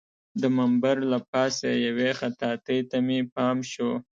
د منبر له پاسه یوې خطاطۍ ته مې پام شو.